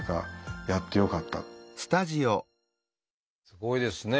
すごいですね。